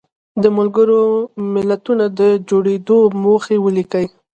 د ملګرو ملتونو د جوړېدو موخې ولیکئ.